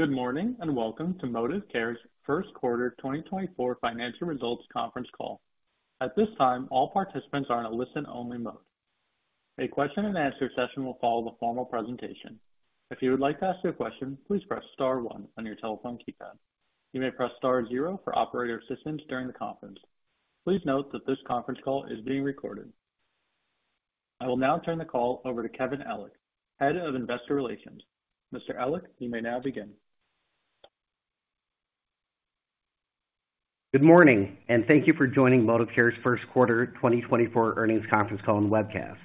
Good morning, and welcome to Modivcare's First Quarter 2024 Financial Results Conference Call. At this time, all participants are in a listen-only mode. A question-and-answer session will follow the formal presentation. If you would like to ask a question, please press star one on your telephone keypad. You may press star zero for operator assistance during the conference. Please note that this conference call is being recorded. I will now turn the call over to Kevin Ellich, Head of Investor Relations. Mr. Ellick, you may now begin. Good morning, and thank you for joining Modivcare's First Quarter 2024 Earnings Conference Call and Webcast.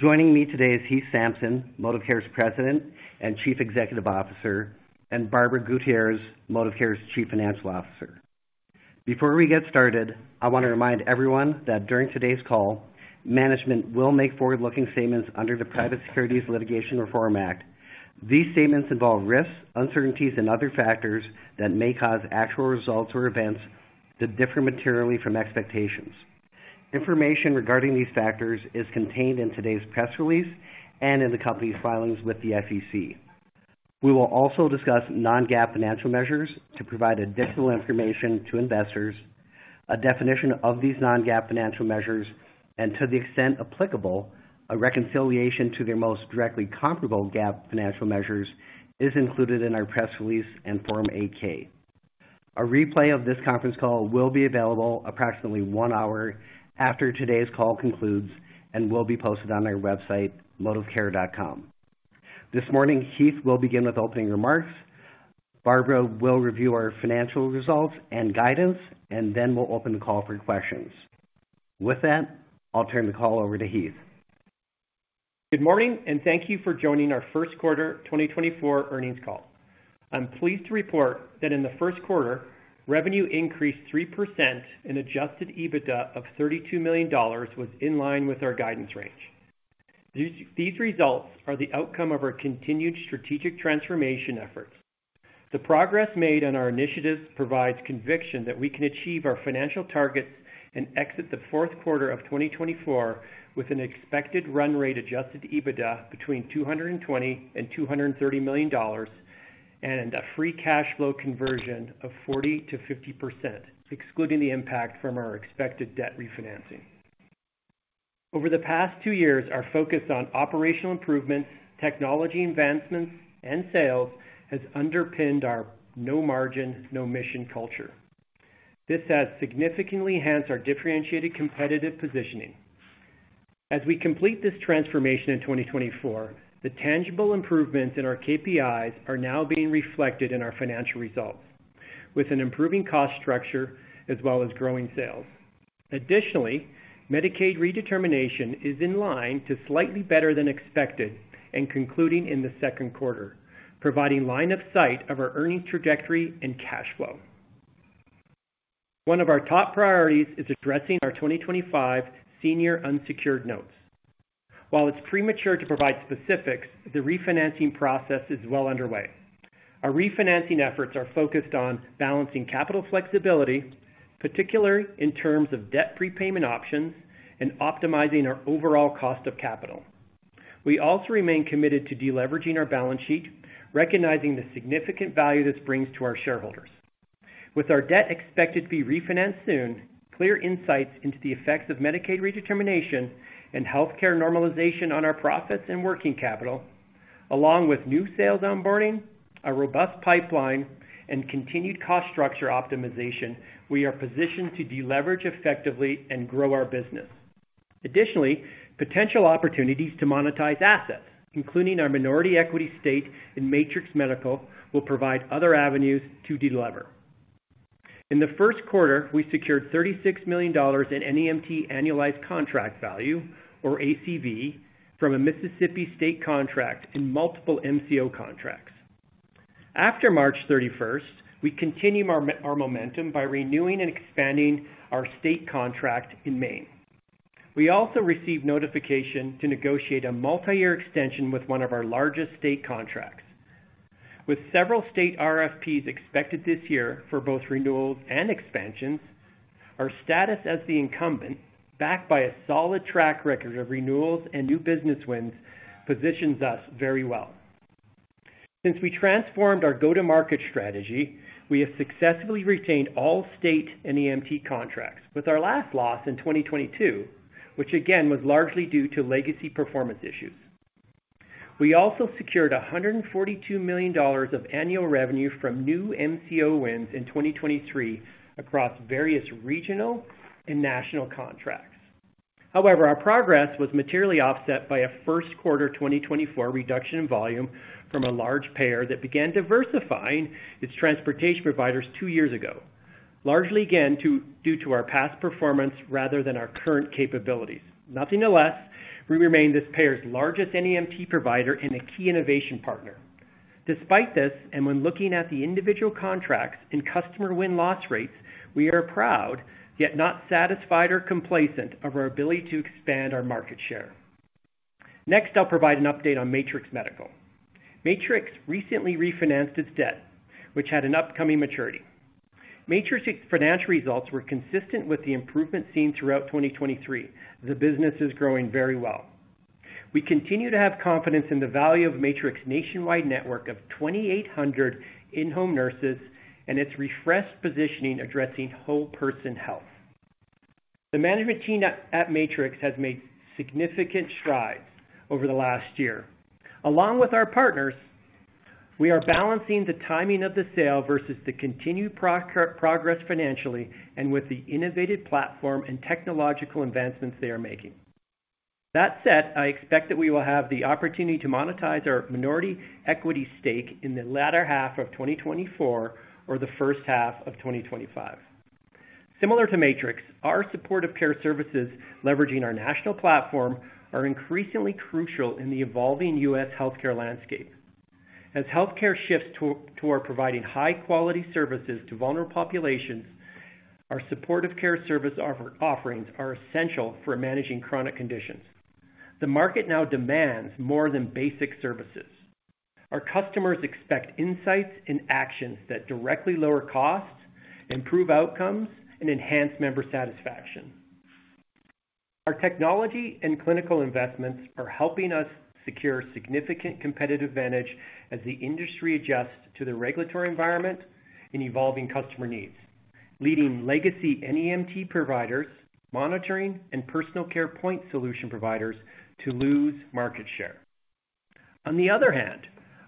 Joining me today is Heath Sampson, Modivcare's President and Chief Executive Officer, and Barbara Gutierrez, Modivcare's Chief Financial Officer. Before we get started, I wanna remind everyone that during today's call, management will make forward-looking statements under the Private Securities Litigation Reform Act. These statements involve risks, uncertainties, and other factors that may cause actual results or events to differ materially from expectations. Information regarding these factors is contained in today's press release and in the company's filings with the SEC. We will also discuss non-GAAP financial measures to provide additional information to investors. A definition of these non-GAAP financial measures and, to the extent applicable, a reconciliation to their most directly comparable GAAP financial measures, is included in our press release and Form 8-K. A replay of this conference call will be available approximately one hour after today's call concludes and will be posted on our website, Modivcare.com. This morning, Heath will begin with opening remarks. Barbara will review our financial results and guidance, and then we'll open the call for questions. With that, I'll turn the call over to Heath. Good morning, and thank you for joining our first quarter 2024 earnings call. I'm pleased to report that in the first quarter, revenue increased 3% and Adjusted EBITDA of $32 million was in line with our guidance range. These results are the outcome of our continued strategic transformation efforts. The progress made on our initiatives provides conviction that we can achieve our financial targets and exit the fourth quarter of 2024 with an expected run rate Adjusted EBITDA between $220 million and $230 million, and a free cash flow conversion of 40%-50%, excluding the impact from our expected debt refinancing. Over the past two years, our focus on operational improvements, technology advancements, and sales has underpinned our no margin, no mission culture. This has significantly enhanced our differentiated competitive positioning. As we complete this transformation in 2024, the tangible improvements in our KPIs are now being reflected in our financial results, with an improving cost structure as well as growing sales. Additionally, Medicaid redetermination is in line to slightly better than expected and concluding in the second quarter, providing line of sight of our earnings trajectory and cash flow. One of our top priorities is addressing our 2025 senior unsecured notes. While it's premature to provide specifics, the refinancing process is well underway. Our refinancing efforts are focused on balancing capital flexibility, particularly in terms of debt prepayment options and optimizing our overall cost of capital. We also remain committed to deleveraging our balance sheet, recognizing the significant value this brings to our shareholders. With our debt expected to be refinanced soon, clear insights into the effects of Medicaid redetermination and healthcare normalization on our profits and working capital, along with new sales onboarding, a robust pipeline, and continued cost structure optimization, we are positioned to deleverage effectively and grow our business. Additionally, potential opportunities to monetize assets, including our minority equity stake in Matrix Medical, will provide other avenues to delever. In the first quarter, we secured $36 million in NEMT annualized contract value, or ACV, from a Mississippi state contract and multiple MCO contracts. After March 31, we continued our momentum by renewing and expanding our state contract in Maine. We also received notification to negotiate a multi-year extension with one of our largest state contracts. With several state RFPs expected this year for both renewals and expansions, our status as the incumbent, backed by a solid track record of renewals and new business wins, positions us very well. Since we transformed our go-to-market strategy, we have successfully retained all state NEMT contracts, with our last loss in 2022, which again, was largely due to legacy performance issues. We also secured $142 million of annual revenue from new MCO wins in 2023 across various regional and national contracts. However, our progress was materially offset by a first quarter 2024 reduction in volume from a large payer that began diversifying its transportation providers two years ago, largely again, due to our past performance rather than our current capabilities. Nevertheless, we remain this payer's largest NEMT provider and a key innovation partner. Despite this, and when looking at the individual contracts and customer win-loss rates, we are proud, yet not satisfied or complacent, of our ability to expand our market share. Next, I'll provide an update on Matrix Medical. Matrix recently refinanced its debt, which had an upcoming maturity. Matrix financial results were consistent with the improvement seen throughout 2023. The business is growing very well. We continue to have confidence in the value of Matrix nationwide network of 2,800 in-home nurses and its refreshed positioning, addressing whole person health. The management team at Matrix has made significant strides over the last year. Along with our partners, we are balancing the timing of the sale versus the continued progress financially and with the innovative platform and technological advancements they are making. That said, I expect that we will have the opportunity to monetize our minority equity stake in the latter half of 2024 or the first half of 2025. Similar to Matrix, our supportive care services, leveraging our national platform, are increasingly crucial in the evolving U.S. healthcare landscape. As healthcare shifts toward providing high quality services to vulnerable populations, our supportive care service offerings are essential for managing chronic conditions. The market now demands more than basic services. Our customers expect insights and actions that directly lower costs, improve outcomes, and enhance member satisfaction. Our technology and clinical investments are helping us secure significant competitive advantage as the industry adjusts to the regulatory environment and evolving customer needs, leading legacy NEMT providers, monitoring, and personal care point solution providers to lose market share. On the other hand,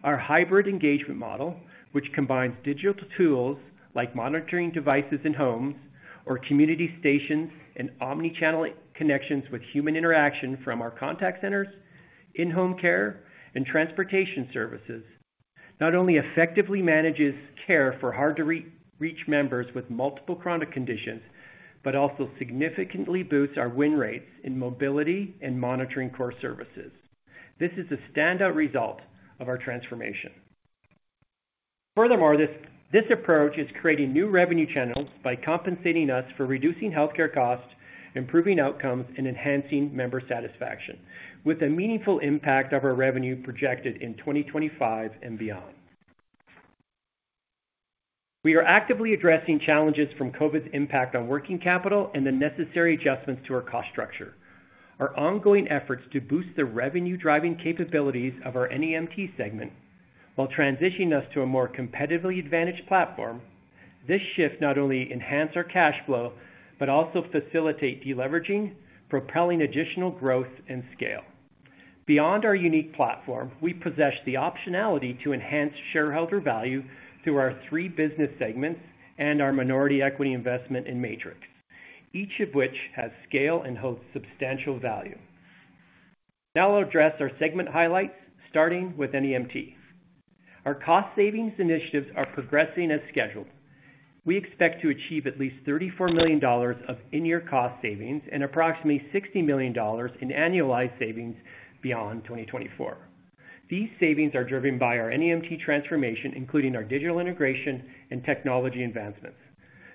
our hybrid engagement model, which combines digital tools like monitoring devices in homes or community stations and omni-channel connections with human interaction from our contact centers, in-home care, and transportation services, not only effectively manages care for hard-to-reach members with multiple chronic conditions, but also significantly boosts our win rates in mobility and monitoring core services. This is a standout result of our transformation. Furthermore, this approach is creating new revenue channels by compensating us for reducing healthcare costs, improving outcomes, and enhancing member satisfaction, with a meaningful impact of our revenue projected in 2025 and beyond. We are actively addressing challenges from COVID's impact on working capital and the necessary adjustments to our cost structure. Our ongoing efforts to boost the revenue-driving capabilities of our NEMT segment, while transitioning us to a more competitively advantaged platform, this shift not only enhance our cash flow, but also facilitate deleveraging, propelling additional growth and scale. Beyond our unique platform, we possess the optionality to enhance shareholder value through our three business segments and our minority equity investment in Matrix, each of which has scale and holds substantial value. Now I'll address our segment highlights, starting with NEMT. Our cost savings initiatives are progressing as scheduled. We expect to achieve at least $34 million of in-year cost savings and approximately $60 million in annualized savings beyond 2024. These savings are driven by our NEMT transformation, including our digital integration and technology advancements.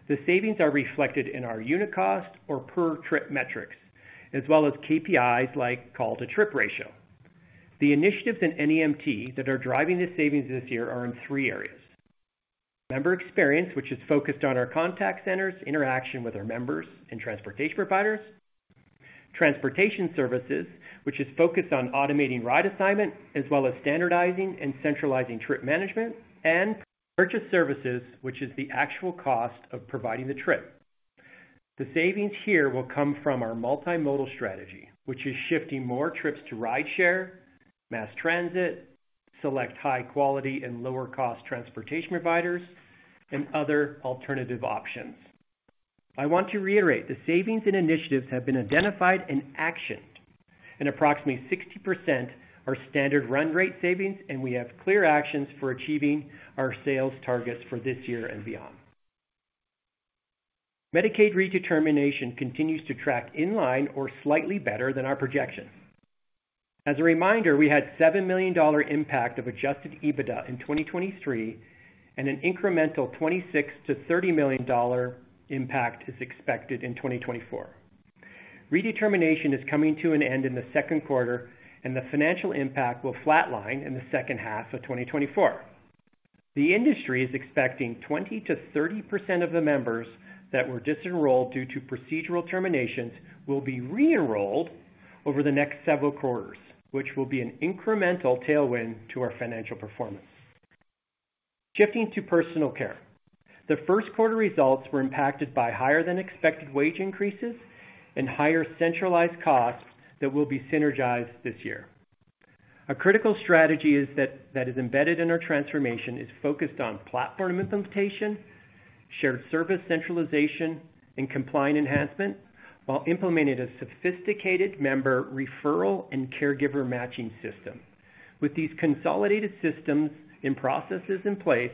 The savings are reflected in our unit cost or per trip metrics, as well as KPIs like call-to-trip ratio. The initiatives in NEMT that are driving the savings this year are in three areas: Member experience, which is focused on our contact centers, interaction with our members and transportation providers. Transportation services, which is focused on automating ride assignment, as well as standardizing and centralizing trip management. And purchased services, which is the actual cost of providing the trip. The savings here will come from our multimodal strategy, which is shifting more trips to rideshare, mass transit, select high quality and lower cost transportation providers, and other alternative options. I want to reiterate, the savings and initiatives have been identified and actioned, and approximately 60% are standard run rate savings, and we have clear actions for achieving our sales targets for this year and beyond. Medicaid redetermination continues to track in line or slightly better than our projections. As a reminder, we had $7 million impact of Adjusted EBITDA in 2023, and an incremental $26 million to $30 million impact is expected in 2024. Redetermination is coming to an end in the second quarter, and the financial impact will flatline in the second half of 2024. The industry is expecting 20% to 30% of the members that were disenrolled due to procedural terminations will be re-enrolled over the next several quarters, which will be an incremental tailwind to our financial performance. Shifting to personal care. The first quarter results were impacted by higher-than-expected wage increases and higher centralized costs that will be synergized this year. A critical strategy is that, that is embedded in our transformation is focused on platform implementation, shared service centralization, and compliant enhancement, while implementing a sophisticated member referral and caregiver matching system. With these consolidated systems and processes in place,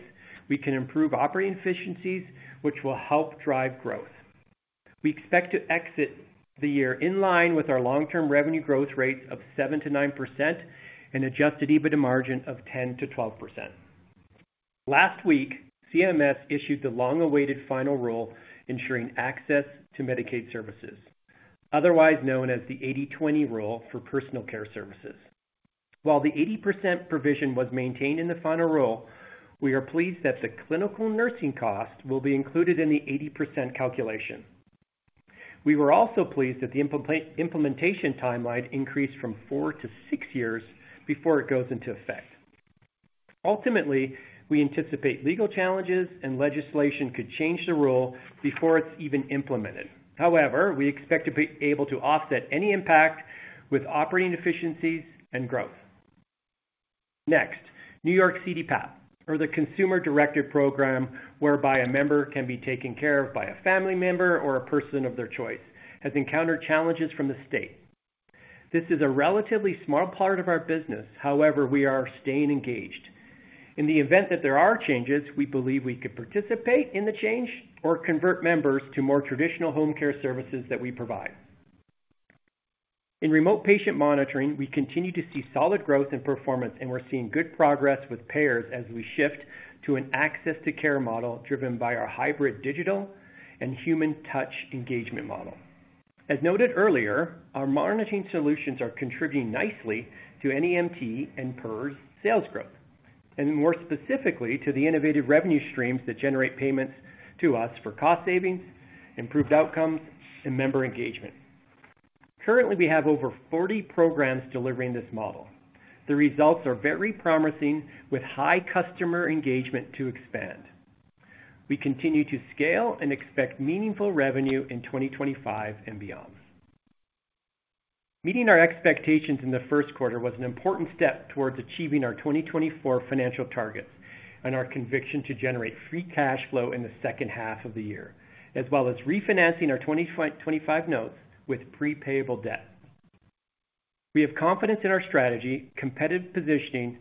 we can improve operating efficiencies, which will help drive growth. We expect to exit the year in line with our long-term revenue growth rates of 7% to 9% and Adjusted EBITDA margin of 10% to 12%. Last week, CMS issued the long-awaited final rule, ensuring access to Medicaid services, otherwise known as the 80/20 rule for personal care services. While the 80% provision was maintained in the final rule, we are pleased that the clinical nursing cost will be included in the 80% calculation. We were also pleased that the implementation timeline increased from four to six years before it goes into effect. Ultimately, we anticipate legal challenges and legislation could change the rule before it's even implemented. However, we expect to be able to offset any impact with operating efficiencies and growth. Next, New York CDPAP, or the Consumer Directed Program, whereby a member can be taken care of by a family member or a person of their choice, has encountered challenges from the state. This is a relatively small part of our business, however, we are staying engaged. In the event that there are changes, we believe we could participate in the change or convert members to more traditional home care services that we provide. In remote patient monitoring, we continue to see solid growth and performance, and we're seeing good progress with payers as we shift to an access to care model driven by our hybrid digital and human touch engagement model. As noted earlier, our monitoring solutions are contributing nicely to NEMT and PERS sales growth, and more specifically, to the innovative revenue streams that generate payments to us for cost savings, improved outcomes, and member engagement. Currently, we have over 40 programs delivering this model. The results are very promising, with high customer engagement to expand. We continue to scale and expect meaningful revenue in 2025 and beyond. Meeting our expectations in the first quarter was an important step towards achieving our 2024 financial targets and our conviction to generate free cash flow in the second half of the year, as well as refinancing our 2025 notes with prepayable debt. We have confidence in our strategy, competitive positioning,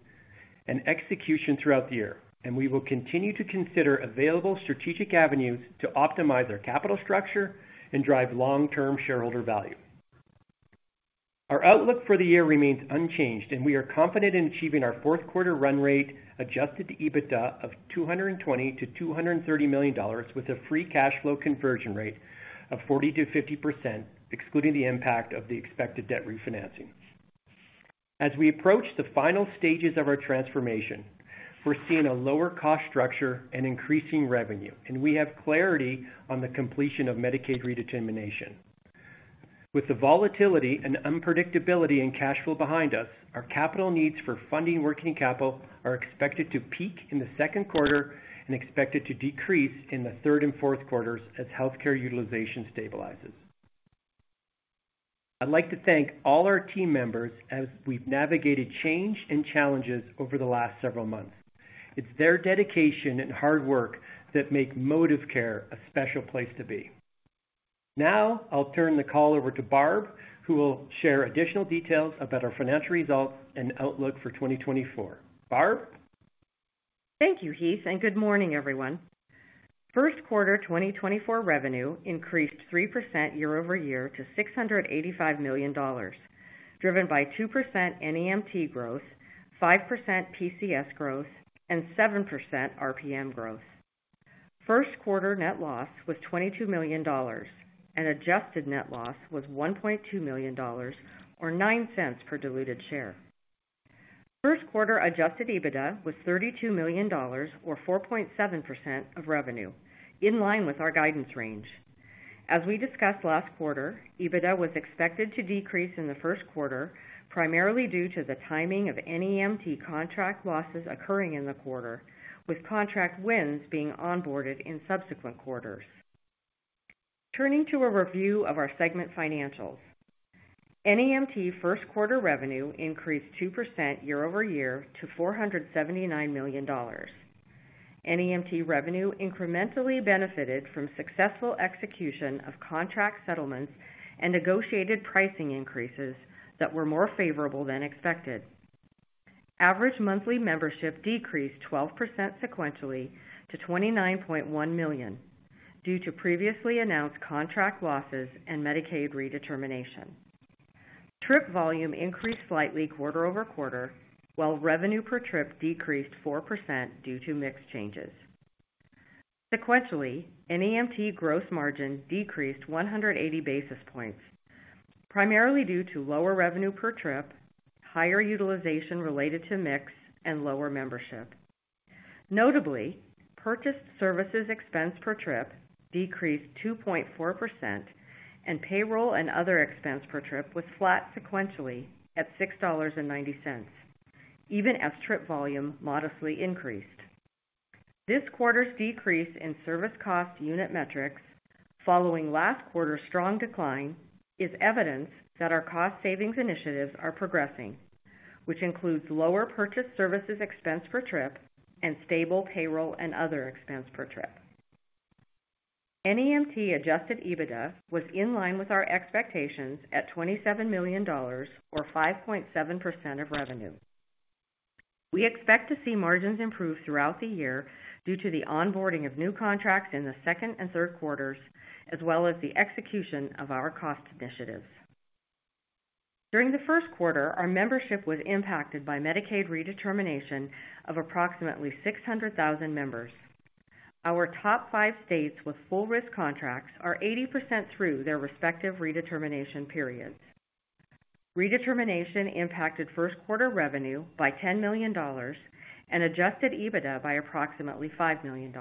and execution throughout the year, and we will continue to consider available strategic avenues to optimize our capital structure and drive long-term shareholder value. Our outlook for the year remains unchanged, and we are confident in achieving our fourth quarter run rate, adjusted EBITDA of $220 million to $230 million, with a free cash flow conversion rate of 40% to 50%, excluding the impact of the expected debt refinancing. As we approach the final stages of our transformation, we're seeing a lower cost structure and increasing revenue, and we have clarity on the completion of Medicaid redetermination. With the volatility and unpredictability in cash flow behind us, our capital needs for funding working capital are expected to peak in the second quarter and expected to decrease in the third and fourth quarters as healthcare utilization stabilizes. I'd like to thank all our team members as we've navigated change and challenges over the last several months. It's their dedication and hard work that make Modivcare a special place to be. Now, I'll turn the call over to Barb, who will share additional details about our financial results and outlook for 2024. Barb? Thank you, Heath, and good morning, everyone. First quarter 2024 revenue increased 3% year-over-year to $685 million, driven by 2% NEMT growth, 5% PCS growth, and 7% RPM growth. First quarter net loss was $22 million, and adjusted net loss was $1.2 million or 9 cents per diluted share. First quarter adjusted EBITDA was $32 million or 4.7% of revenue, in line with our guidance range. As we discussed last quarter, EBITDA was expected to decrease in the first quarter, primarily due to the timing of NEMT contract losses occurring in the quarter, with contract wins being onboarded in subsequent quarters. Turning to a review of our segment financials. NEMT first quarter revenue increased 2% year-over-year to $479 million. NEMT revenue incrementally benefited from successful execution of contract settlements and negotiated pricing increases that were more favorable than expected. Average monthly membership decreased 12% sequentially to 29.1 million, due to previously announced contract losses and Medicaid redetermination. Trip volume increased slightly quarter-over-quarter, while revenue per trip decreased 4% due to mix changes. Sequentially, NEMT gross margin decreased 180 basis points, primarily due to lower revenue per trip, higher utilization related to mix, and lower membership. Notably, purchased services expense per trip decreased 2.4%, and payroll and other expense per trip was flat sequentially at $6.90, even as trip volume modestly increased. This quarter's decrease in service cost unit metrics, following last quarter's strong decline, is evidence that our cost savings initiatives are progressing, which includes lower purchased services expense per trip and stable payroll and other expense per trip. NEMT adjusted EBITDA was in line with our expectations at $27 million, or 5.7% of revenue. We expect to see margins improve throughout the year due to the onboarding of new contracts in the second and third quarters, as well as the execution of our cost initiatives. During the first quarter, our membership was impacted by Medicaid redetermination of approximately 600,000 members. Our top five states with full risk contracts are 80% through their respective redetermination periods. Redetermination impacted first quarter revenue by $10 million and adjusted EBITDA by approximately $5 million.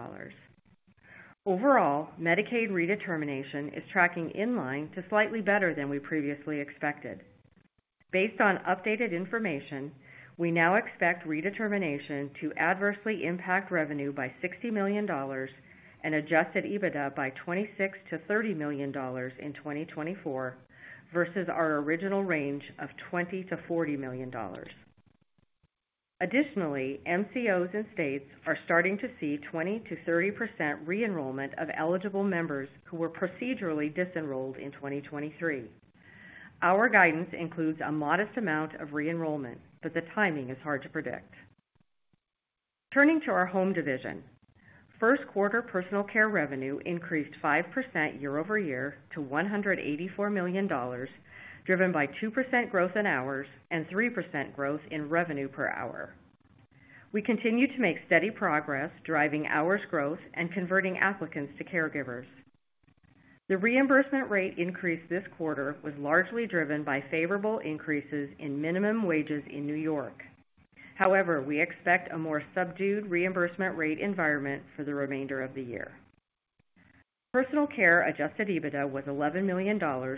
Overall, Medicaid redetermination is tracking in line to slightly better than we previously expected. Based on updated information, we now expect redetermination to adversely impact revenue by $60 million and Adjusted EBITDA by $26 million-$30 million in 2024, versus our original range of $20 million to $40 million. Additionally, MCOs and states are starting to see 20% to 30% re-enrollment of eligible members who were procedurally disenrolled in 2023. Our guidance includes a modest amount of re-enrollment, but the timing is hard to predict. Turning to our home division. First quarter personal care revenue increased 5% year-over-year to $184 million, driven by 2% growth in hours and 3% growth in revenue per hour. We continue to make steady progress, driving hours growth and converting applicants to caregivers. The reimbursement rate increase this quarter was largely driven by favorable increases in minimum wages in New York. However, we expect a more subdued reimbursement rate environment for the remainder of the year. Personal care adjusted EBITDA was $11 million, or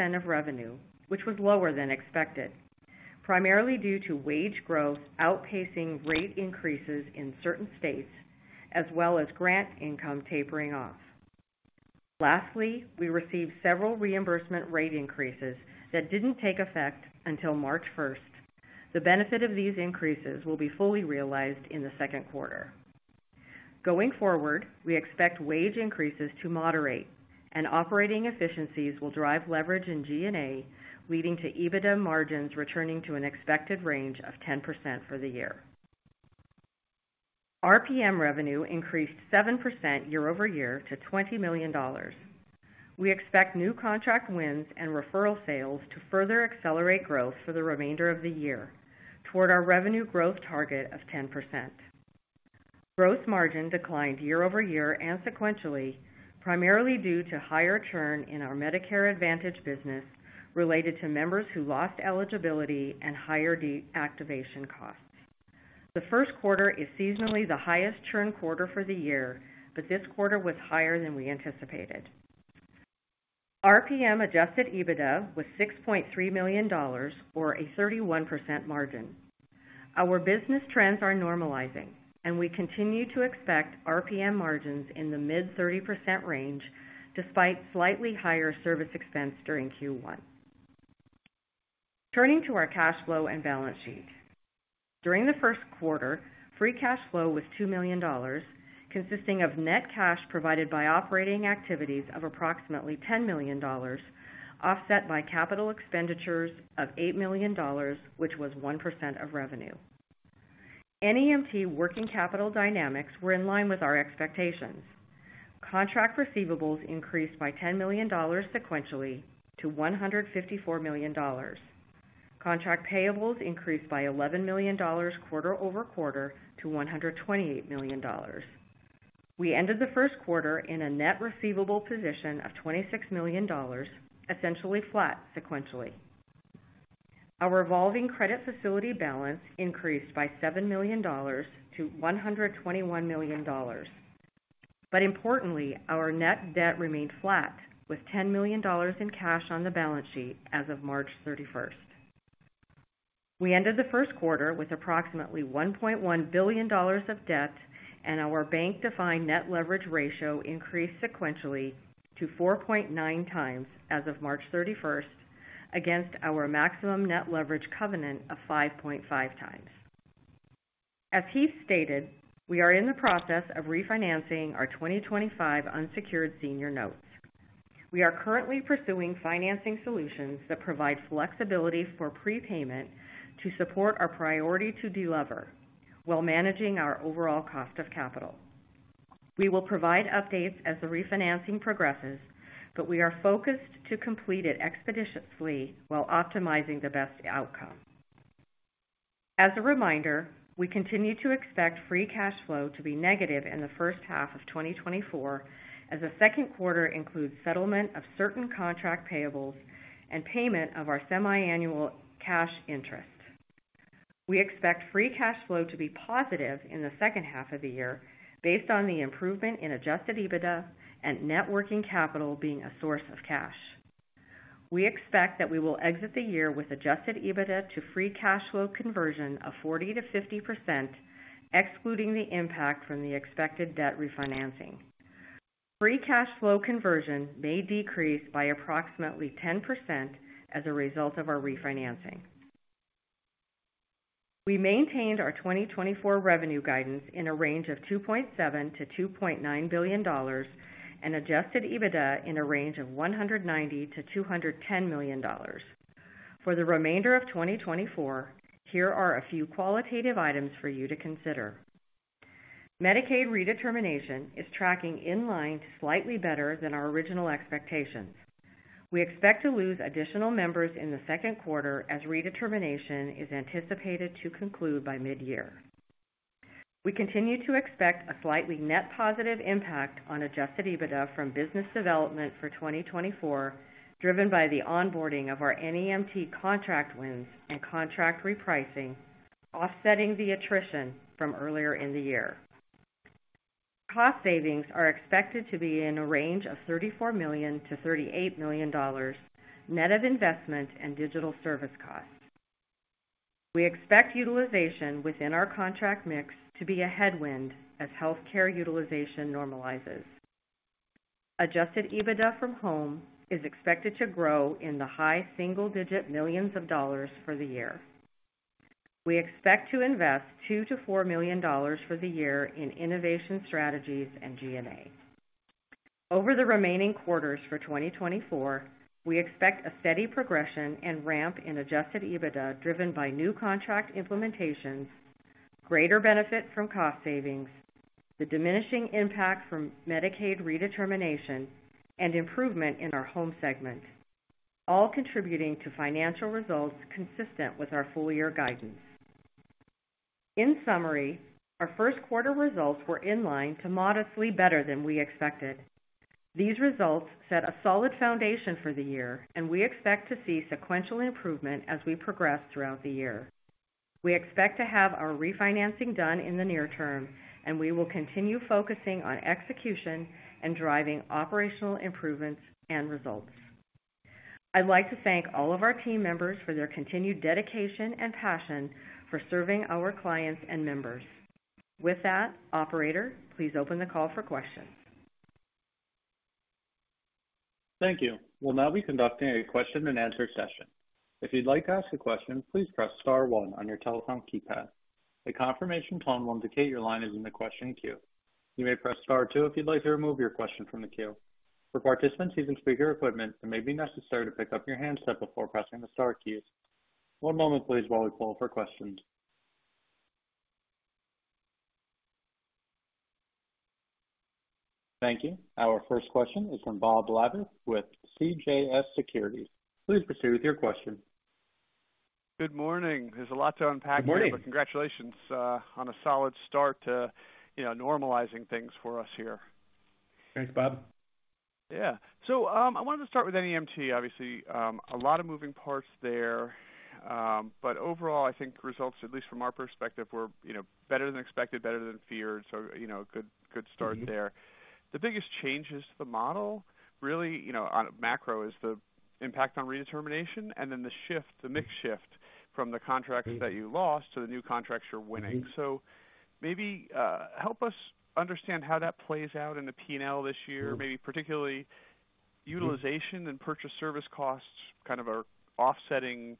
6% of revenue, which was lower than expected, primarily due to wage growth outpacing rate increases in certain states, as well as grant income tapering off. Lastly, we received several reimbursement rate increases that didn't take effect until March first. The benefit of these increases will be fully realized in the second quarter. Going forward, we expect wage increases to moderate and operating efficiencies will drive leverage in G&A, leading to EBITDA margins returning to an expected range of 10% for the year. RPM revenue increased 7% year-over-year to $20 million. We expect new contract wins and referral sales to further accelerate growth for the remainder of the year toward our revenue growth target of 10%. Gross margin declined year-over-year and sequentially, primarily due to higher churn in our Medicare Advantage business, related to members who lost eligibility and higher deactivation costs. The first quarter is seasonally the highest churn quarter for the year, but this quarter was higher than we anticipated. RPM adjusted EBITDA was $6.3 million, or a 31% margin. Our business trends are normalizing, and we continue to expect RPM margins in the mid-30% range, despite slightly higher service expense during Q1. Turning to our cash flow and balance sheet. During the first quarter, free cash flow was $2 million, consisting of net cash provided by operating activities of approximately $10 million, offset by capital expenditures of $8 million, which was 1% of revenue. NEMT working capital dynamics were in line with our expectations. Contract receivables increased by $10 million sequentially to $154 million. Contract payables increased by $11 million quarter over quarter to $128 million. We ended the first quarter in a net receivable position of $26 million, essentially flat sequentially. Our revolving credit facility balance increased by $7 million to $121 million. But importantly, our net debt remained flat, with $10 million in cash on the balance sheet as of March 31. We ended the first quarter with approximately $1.1 billion of debt, and our bank-defined net leverage ratio increased sequentially to 4.9 times as of March thirty-first, against our maximum net leverage covenant of 5.5 times. As Heath stated, we are in the process of refinancing our 2025 unsecured senior notes. We are currently pursuing financing solutions that provide flexibility for prepayment to support our priority to delever while managing our overall cost of capital. We will provide updates as the refinancing progresses, but we are focused to complete it expeditiously while optimizing the best outcome. As a reminder, we continue to expect free cash flow to be negative in the first half of 2024, as the second quarter includes settlement of certain contract payables and payment of our semiannual cash interest. We expect free cash flow to be positive in the second half of the year based on the improvement in Adjusted EBITDA and net working capital being a source of cash. We expect that we will exit the year with Adjusted EBITDA to free cash flow conversion of 40% to 50%, excluding the impact from the expected debt refinancing. Free cash flow conversion may decrease by approximately 10% as a result of our refinancing. We maintained our 2024 revenue guidance in a range of $2.7 billion to $2.9 billion and Adjusted EBITDA in a range of $190 million to $210 million. For the remainder of 2024, here are a few qualitative items for you to consider. Medicaid redetermination is tracking in line to slightly better than our original expectations. We expect to lose additional members in the second quarter as redetermination is anticipated to conclude by mid-year. We continue to expect a slightly net positive impact on adjusted EBITDA from business development for 2024, driven by the onboarding of our NEMT contract wins and contract repricing, offsetting the attrition from earlier in the year. Cost savings are expected to be in a range of $34 million to $38 million, net of investment and digital service costs. We expect utilization within our contract mix to be a headwind as healthcare utilization normalizes. Adjusted EBITDA from home is expected to grow in the high single digit millions of dollars for the year. We expect to invest $2 million to $4 million for the year in innovation strategies and G&A. Over the remaining quarters for 2024, we expect a steady progression and ramp in Adjusted EBITDA, driven by new contract implementations, greater benefit from cost savings, the diminishing impact from Medicaid redetermination, and improvement in our home segment, all contributing to financial results consistent with our full year guidance. In summary, our first quarter results were in line to modestly better than we expected. These results set a solid foundation for the year, and we expect to see sequential improvement as we progress throughout the year. We expect to have our refinancing done in the near term, and we will continue focusing on execution and driving operational improvements and results. I'd like to thank all of our team members for their continued dedication and passion for serving our clients and members. With that, operator, please open the call for questions. Thank you. We'll now be conducting a question-and-answer session. If you'd like to ask a question, please press star one on your telephone keypad. A confirmation tone will indicate your line is in the question queue. You may press star two if you'd like to remove your question from the queue. For participants using speaker equipment, it may be necessary to pick up your handset before pressing the star keys. One moment please, while we pull for questions. Thank you. Our first question is from Bob Labick with CJS Securities. Please proceed with your question. Good morning. There's a lot to unpack here. Good morning. But congratulations on a solid start to, you know, normalizing things for us here. Thanks, Bob. Yeah. So, I wanted to start with NEMT, obviously, a lot of moving parts there. But overall, I think results, at least from our perspective, were, you know, better than expected, better than feared. So, you know, good, good start there. The biggest changes to the model, really, you know, on a macro, is the impact on redetermination and then the shift, the mix shift from the contracts that you lost to the new contracts you're winning. So maybe, help us understand how that plays out in the P&L this year. Maybe particularly utilization and purchased service costs, kind of are offsetting,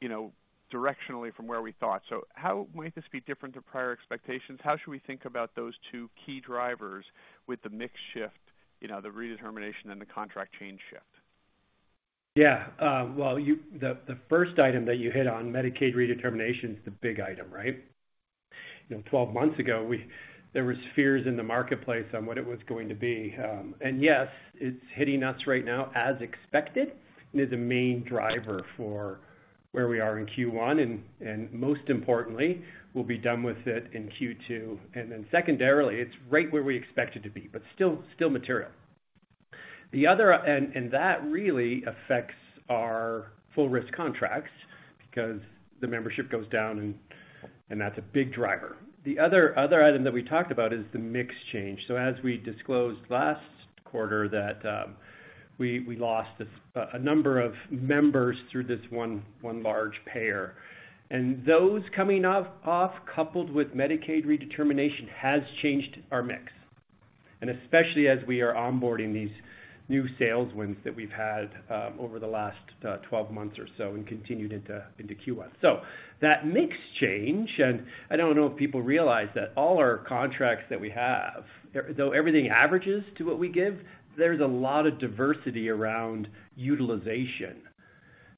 you know, directionally from where we thought. So how might this be different to prior expectations? How should we think about those two key drivers with the mix shift, you know, the redetermination and the contract change shift? Yeah, well, the first item that you hit on, Medicaid redetermination, is the big item, right? You know, 12 months ago, we—there was fears in the marketplace on what it was going to be. And yes, it's hitting us right now, as expected, and is a main driver for where we are in Q1, and most importantly, we'll be done with it in Q2. And then secondarily, it's right where we expect it to be, but still, still material. The other—and that really affects our full risk contracts because the membership goes down, and that's a big driver. The other item that we talked about is the mix change. So as we disclosed last quarter, that we lost a number of members through this one large payer. Those coming off, coupled with Medicaid redetermination, has changed our mix, and especially as we are onboarding these new sales wins that we've had over the last 12 months or so and continued into Q1. So that mix change, and I don't know if people realize that all our contracts that we have, though everything averages to what we give, there's a lot of diversity around utilization.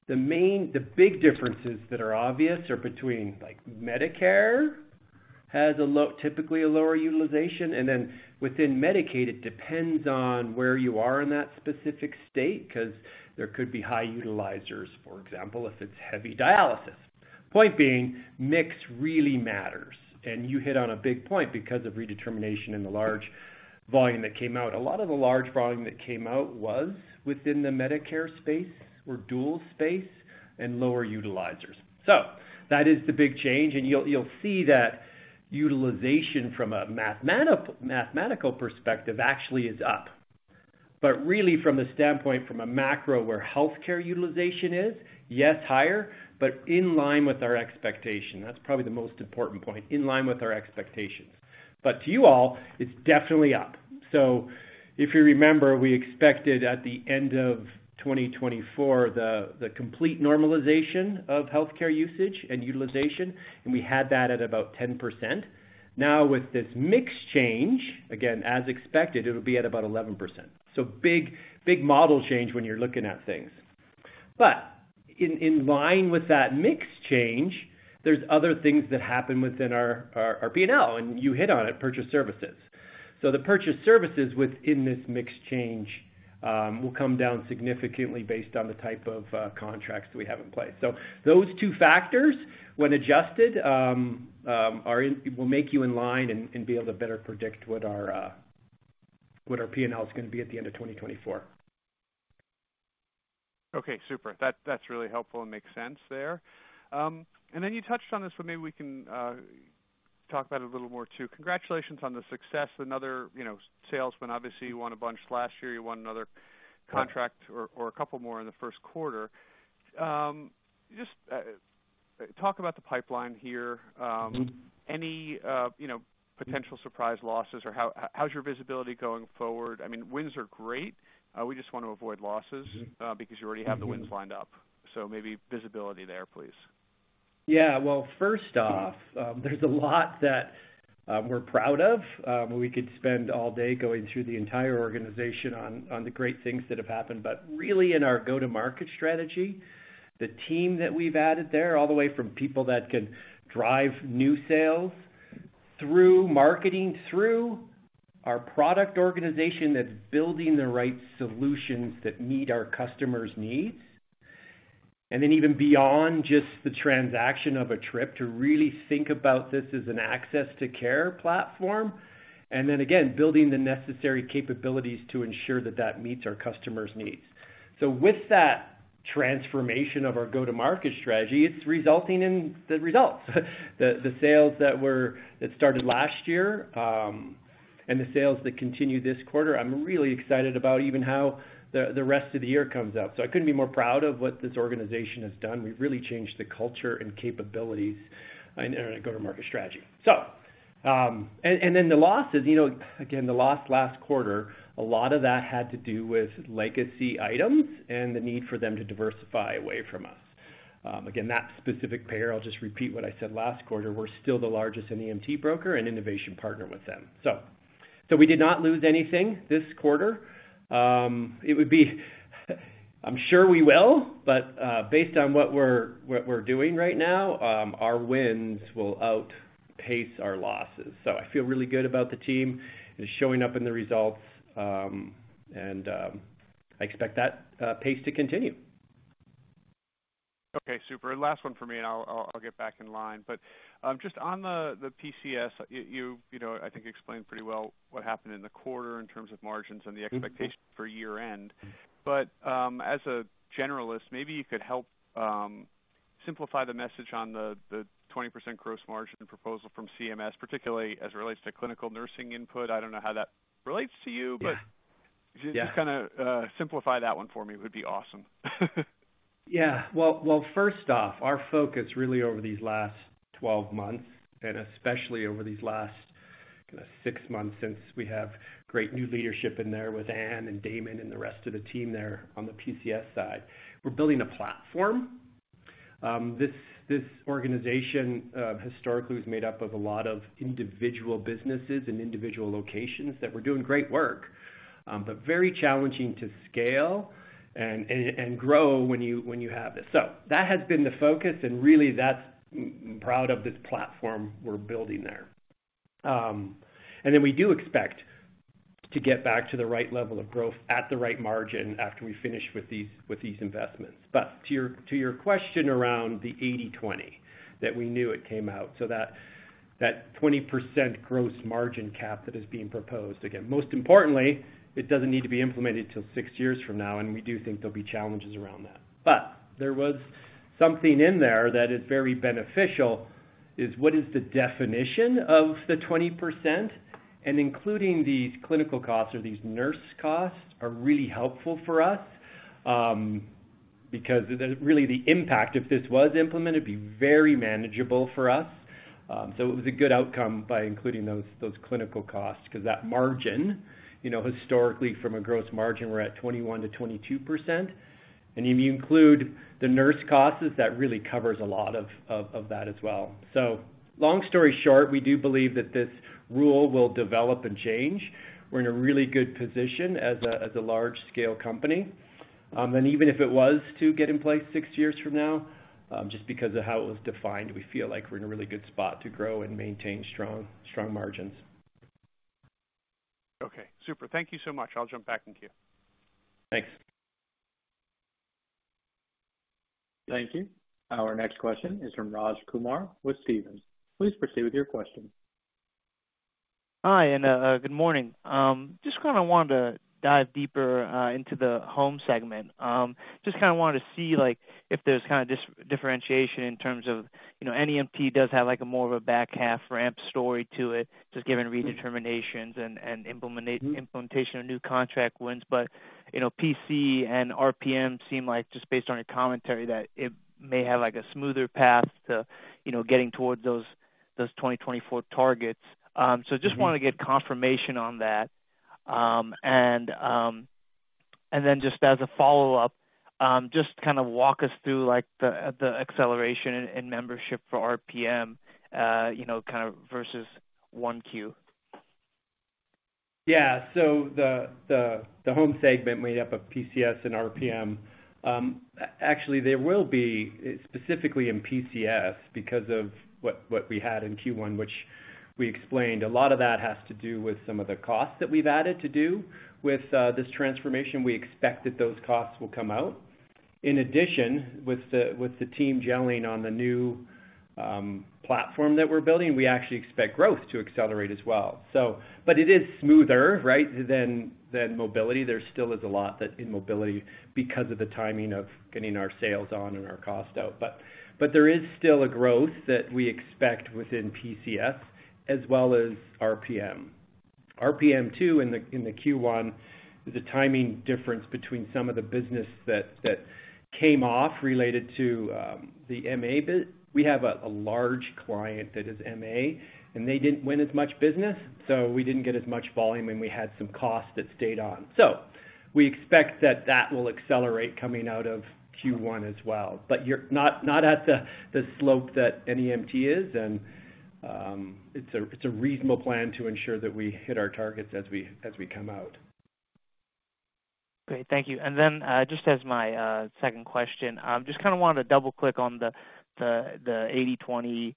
The big differences that are obvious are between, like, Medicare has typically a lower utilization, and then within Medicaid, it depends on where you are in that specific state, 'cause there could be high utilizers, for example, if it's heavy dialysis. Point being, mix really matters, and you hit on a big point because of redetermination and the large volume that came out. A lot of the large volume that came out was within the Medicare space or dual space and lower utilizers. So that is the big change, and you'll, you'll see that utilization from a mathematical perspective, actually is up. But really from the standpoint from a macro, where healthcare utilization is, yes, higher, but in line with our expectation. That's probably the most important point, in line with our expectations. But to you all, it's definitely up. So if you remember, we expected at the end of 2024, the, the complete normalization of healthcare usage and utilization, and we had that at about 10%. Now, with this mix change, again, as expected, it'll be at about 11%. So big, big model change when you're looking at things. But in line with that mix change, there's other things that happen within our P&L, and you hit on it, purchased services. So the purchased services within this mix change will come down significantly based on the type of contracts we have in place. So those two factors, when adjusted, will make you in line and be able to better predict what our P&L is gonna be at the end of 2024. Okay, super. That, that's really helpful and makes sense there. And then you touched on this, so maybe we can talk about it a little more, too. Congratulations on the success. Another, you know, sales win, obviously, you won a bunch last year. You won another contract or a couple more in the first quarter. Just talk about the pipeline here. Any, you know, potential surprise losses, or how's your visibility going forward? I mean, wins are great. We just wanna avoid losses, because you already have the wins lined up. So maybe visibility there, please. Yeah. Well, first off, there's a lot that we're proud of. We could spend all day going through the entire organization on the great things that have happened, but really in our go-to-market strategy, the team that we've added there, all the way from people that can drive new sales through marketing, through our product organization that's building the right solutions that meet our customers' needs, and then even beyond just the transaction of a trip, to really think about this as an access to care platform, and then again, building the necessary capabilities to ensure that that meets our customers' needs. So with that transformation of our go-to-market strategy, it's resulting in the results. The sales that started last year and the sales that continue this quarter, I'm really excited about even how the rest of the year comes out. So I couldn't be more proud of what this organization has done. We've really changed the culture and capabilities and our go-to-market strategy. So, and then the losses, you know, again, the loss last quarter, a lot of that had to do with legacy items and the need for them to diversify away from us. Again, that specific payer, I'll just repeat what I said last quarter, we're still the largest NEMT broker and innovation partner with them. So we did not lose anything this quarter. It would be. I'm sure we will, but based on what we're doing right now, our wins will outpace our losses. So I feel really good about the team and showing up in the results, and I expect that pace to continue. Okay, super. Last one for me, and I'll get back in line. But just on the PCS, you know, I think explained pretty well what happened in the quarter in terms of margins and the expectation for year-end. But as a generalist, maybe you could help simplify the message on the 20% gross margin proposal from CMS, particularly as it relates to clinical nursing input. I don't know how that relates to you but just kinda simplify that one for me would be awesome. Yeah. Well, first off, our focus really over these last 12 months, and especially over these last kinda 6 months since we have great new leadership in there with Anne and Damon and the rest of the team there on the PCS side, we're building a platform. This organization historically was made up of a lot of individual businesses and individual locations that were doing great work, but very challenging to scale and grow when you have it. So that has been the focus, and really, I'm proud of this platform we're building there. And then we do expect to get back to the right level of growth at the right margin after we finish with these investments. But to your, to your question around the 80/20, that we knew it came out, so that, that 20% gross margin cap that is being proposed. Again, most importantly, it doesn't need to be implemented till 6 years from now, and we do think there'll be challenges around that. But there was something in there that is very beneficial, is what is the definition of the 20%, and including these clinical costs or these nurse costs are really helpful for us, because the, really, the impact, if this was implemented, would be very manageable for us. So it was a good outcome by including those, those clinical costs, 'cause that margin, you know, historically, from a gross margin, we're at 21% to 22%, and if you include the nurse costs, that really covers a lot of, of, of that as well. So long story short, we do believe that this rule will develop and change. We're in a really good position as a large-scale company, and even if it was to get in place 6 years from now, just because of how it was defined, we feel like we're in a really good spot to grow and maintain strong, strong margins. Okay, super. Thank you so much. I'll jump back in queue. Thanks. Thank you. Our next question is from Raj Kumar with Stephens. Please proceed with your question. Hi, and, good morning. Just kinda wanted to dive deeper into the home segment. Just kinda wanted to see, like, if there's kinda differentiation in terms of, you know, NEMT does have, like, a more of a back half ramp story to it, just given redeterminations and implementation of new contract wins. But, you know, PC and RPM seem like, just based on your commentary, that it may have, like, a smoother path to, you know, getting towards those 2024 targets. So just wanted to get confirmation on that. And then just as a follow-up, just kind of walk us through, like, the acceleration in membership for RPM, you know, kind of versus 1Q. Yeah. So the home segment made up of PCS and RPM, actually, there will be, specifically in PCS, because of what we had in Q1, which we explained, a lot of that has to do with some of the costs that we've added to do with this transformation. We expect that those costs will come out. In addition, with the team gelling on the new platform that we're building, we actually expect growth to accelerate as well, so. But it is smoother, right, than mobility. There still is a lot in mobility because of the timing of getting our sales on and our cost out. But there is still a growth that we expect within PCS as well as RPM. RPM, too, in the, in the Q1, the timing difference between some of the business that, that came off related to the MA biz. We have a large client that is MA, and they didn't win as much business, so we didn't get as much volume, and we had some costs that stayed on. So we expect that that will accelerate coming out of Q1 as well. But you're not at the slope that NEMT is, and it's a reasonable plan to ensure that we hit our targets as we come out. Great. Thank you. And then, just as my second question, just kinda wanted to double-click on the 80/20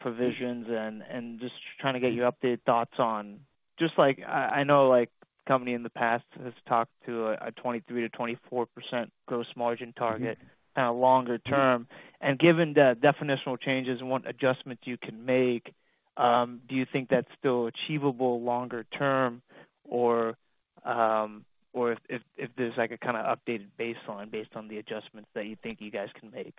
provisions and just trying to get your updated thoughts on... Just like, I know, like, company in the past has talked to a 23%-24% gross margin target, kinda longer term. And given the definitional changes and what adjustments you can make, do you think that's still achievable longer term? Or, or if there's, like, a kinda updated baseline based on the adjustments that you think you guys can make.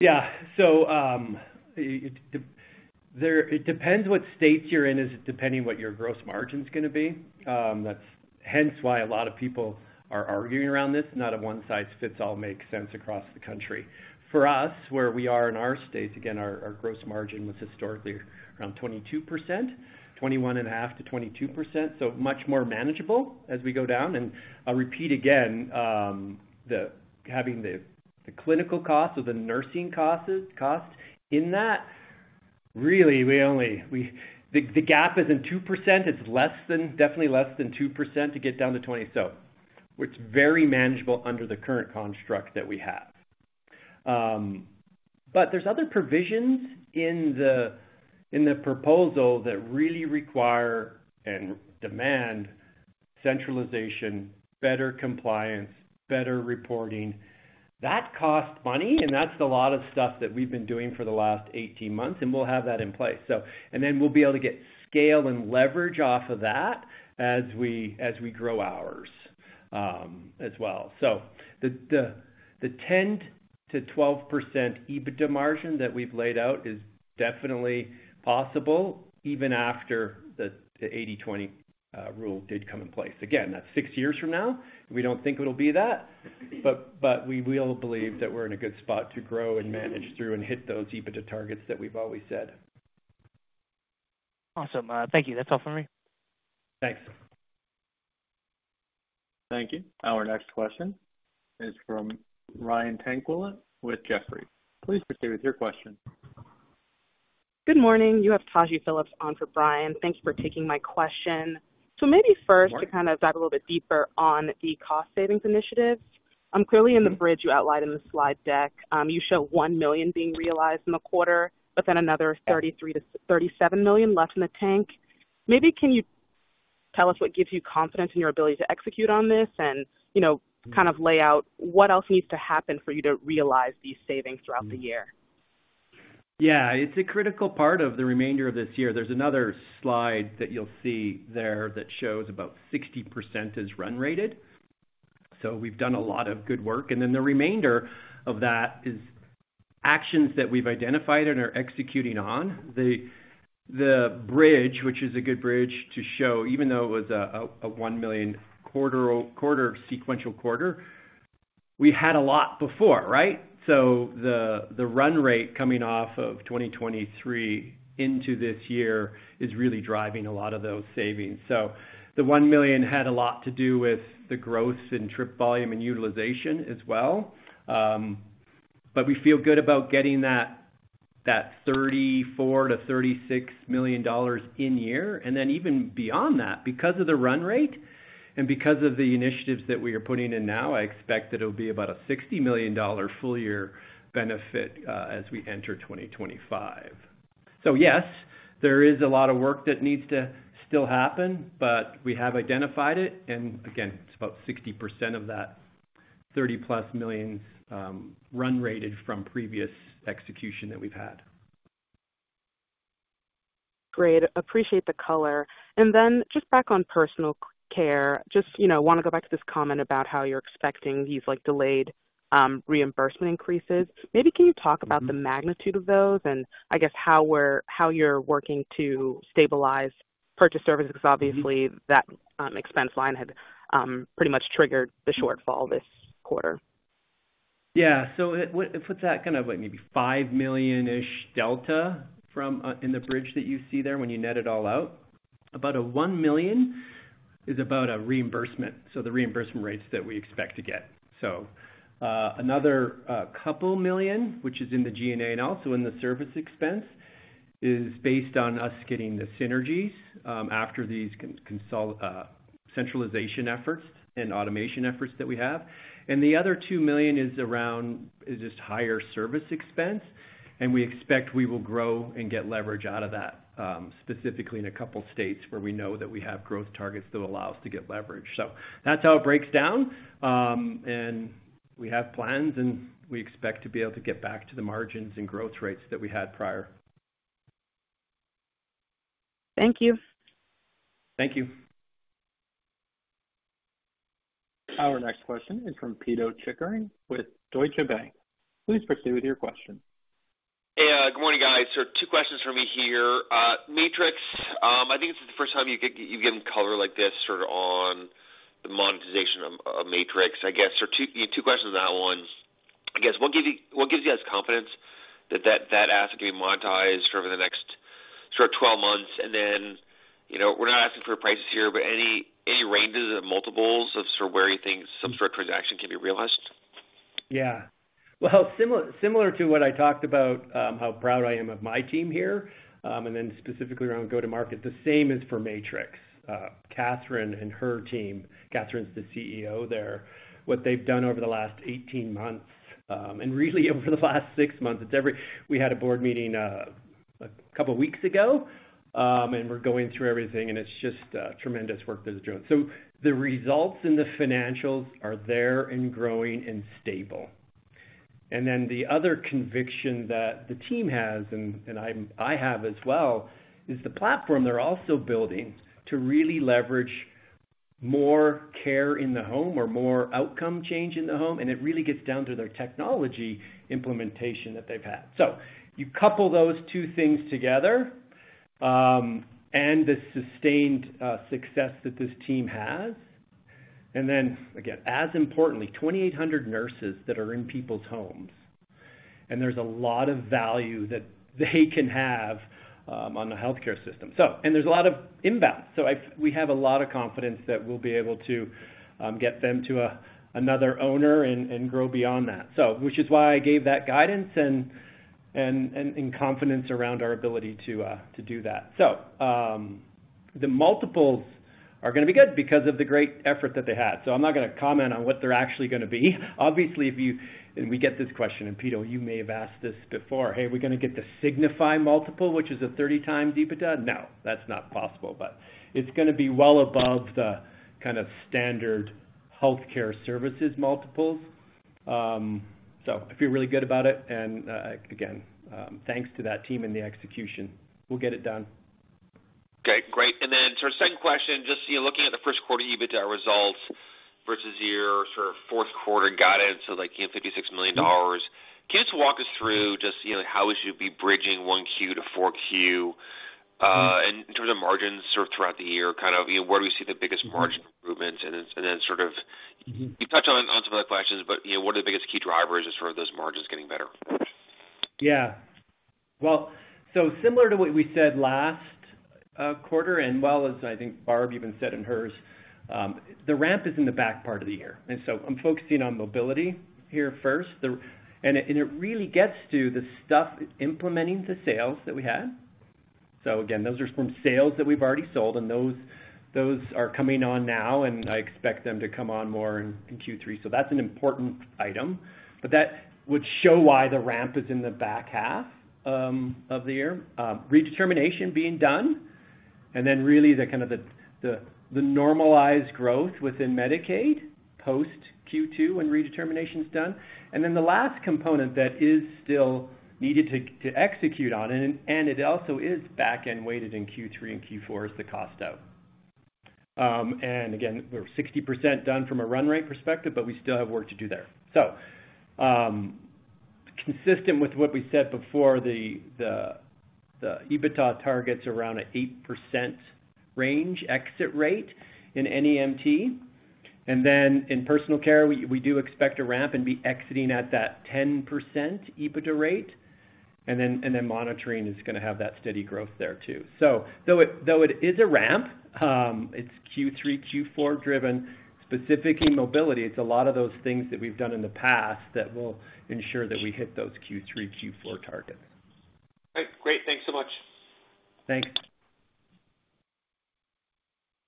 Yeah. So, it depends what state you're in, is depending what your gross margin's gonna be. That's hence why a lot of people are arguing around this. Not a one-size-fits-all makes sense across the country. For us, where we are in our states, again, our gross margin was historically around 22%, 21.5% to 22%, so much more manageable as we go down. And I'll repeat again, having the clinical costs or the nursing costs in that, really, the gap is in 2%. It's less than, definitely less than 2% to get down to 20%. So it's very manageable under the current construct that we have. But there's other provisions in the proposal that really require and demand centralization, better compliance, better reporting. That costs money, and that's a lot of stuff that we've been doing for the last 18 months, and we'll have that in place, so. And then we'll be able to get scale and leverage off of that as we grow ours, as well. So the 10% to 12% EBITDA margin that we've laid out is definitely possible, even after the 80/20 rule did come in place. Again, that's 6 years from now. We don't think it'll be that, but we will believe that we're in a good spot to grow and manage through and hit those EBITDA targets that we've always said. Awesome. Thank you. That's all for me. Thanks. Thank you. Our next question is from Brian Tanquilut with Jefferies. Please proceed with your question. Good morning. You have Taji Phillips on for Brian. Thank you for taking my question. So maybe first. Sure. To kind of dive a little bit deeper on the cost savings initiative. Clearly in the bridge you outlined in the slide deck, you show $1 million being realized in the quarter, but then another $33 million to $37 million left in the tank. Maybe can you tell us what gives you confidence in your ability to execute on this, and, you know, kind of lay out what else needs to happen for you to realize these savings throughout the year? Yeah, it's a critical part of the remainder of this year. There's another slide that you'll see there that shows about 60% is run rate, so we've done a lot of good work. And then the remainder of that is actions that we've identified and are executing on. The bridge, which is a good bridge to show, even though it was a $1 million quarter-over-quarter sequential quarter, we had a lot before, right? So the run rate coming off of 2023 into this year is really driving a lot of those savings. So the $1 million had a lot to do with the growth in trip volume and utilization as well. But we feel good about getting that $34 million to $36 million in year. And then even beyond that, because of the run rate and because of the initiatives that we are putting in now, I expect that it'll be about a $60 million full year benefit, as we enter 2025. So yes, there is a lot of work that needs to still happen, but we have identified it, and again, it's about 60% of that $30+ million run rated from previous execution that we've had. Great. Appreciate the color. And then just back on personal care, just, you know, wanna go back to this comment about how you're expecting these, like, delayed reimbursement increases. Maybe can you talk about the magnitude of those and I guess how you're working to stabilize purchased services? Because obviously, that expense line had pretty much triggered the shortfall this quarter. Yeah. So it puts that kind of, what, maybe $5 million-ish delta from in the bridge that you see there when you net it all out. About $1 million is about a reimbursement, so the reimbursement rates that we expect to get. So, another $2 million, which is in the G&A and also in the service expense, is based on us getting the synergies after these consolidation, centralization efforts and automation efforts that we have. And the other $2 million is around, is just higher service expense, and we expect we will grow and get leverage out of that, specifically in a couple of states where we know that we have growth targets that allow us to get leverage. So that's how it breaks down. We have plans, and we expect to be able to get back to the margins and growth rates that we had prior. Thank you. Thank you. Our next question is from Pito Chickering with Deutsche Bank. Please proceed with your question. Hey, good morning, guys. So two questions for me here. Matrix, I think this is the first time you've given color like this sort of on the monetization of Matrix. I guess, so two questions on that one. I guess, what gives you guys confidence that that asset can be monetized over the next sort of 12 months? And then, you know, we're not asking for prices here, but any ranges of multiples of sort of where you think some sort of transaction can be realized? Yeah. Well, similar, similar to what I talked about, how proud I am of my team here, and then specifically around go-to-market, the same is for Matrix. Catherine and her team, Catherine's the CEO there. What they've done over the last 18 months, and really over the last 6 months, We had a board meeting, a couple of weeks ago, and we're going through everything, and it's just, tremendous work that is done. So the results and the financials are there and growing and stable. And then the other conviction that the team has, and, and I'm, I have as well, is the platform they're also building to really leverage more care in the home or more outcome change in the home, and it really gets down to their technology implementation that they've had. So you couple those two things together and the sustained success that this team has. And then, again, as importantly, 2,800 nurses that are in people's homes, and there's a lot of value that they can have on the healthcare system. So and there's a lot of inbound, so we have a lot of confidence that we'll be able to get them to another owner and grow beyond that. So, which is why I gave that guidance and confidence around our ability to do that. So, the multiples are gonna be good because of the great effort that they had, so I'm not gonna comment on what they're actually gonna be. Obviously, if you and we get this question, and Pito, you may have asked this before, "Hey, are we gonna get the Signify multiple, which is a 30x EBITDA?" No, that's not possible, but it's gonna be well above the kind of standard healthcare services multiples. So I feel really good about it, and, again, thanks to that team and the execution. We'll get it done. Okay, great. And then so our second question, just, you know, looking at the first quarter EBITDA results versus your sort of fourth quarter guidance, so like, you know, $56 million. Can you just walk us through just, you know, how would you be bridging 1Q to 4Q in terms of margins sort of throughout the year, kind of, you know, where do we see the biggest margin improvements? And then sort of you touched on some of the questions, but, you know, what are the biggest key drivers as far as those margins getting better? Yeah. Well, so similar to what we said last quarter, and well, as I think Barb even said in hers, the ramp is in the back part of the year, and so I'm focusing on mobility here first. And it, and it really gets to the stuff implementing the sales that we had. So again, those are some sales that we've already sold, and those, those are coming on now, and I expect them to come on more in Q3. So that's an important item, but that would show why the ramp is in the back half of the year. Redetermination being done, and then really the kind of normalized growth within Medicaid post Q2 when redetermination is done. And then the last component that is still needed to execute on, and it also is back-end weighted in Q3 and Q4, is the cost out. And again, we're 60% done from a run rate perspective, but we still have work to do there. So, consistent with what we said before, the EBITDA target's around an 8% range exit rate in NEMT, and then in personal care, we do expect a ramp and be exiting at that 10% EBITDA rate, and then monitoring is gonna have that steady growth there, too. So though it is a ramp, it's Q3, Q4 driven, specifically mobility. It's a lot of those things that we've done in the past that will ensure that we hit those Q3, Q4 targets. Great. Great. Thanks so much. Thanks.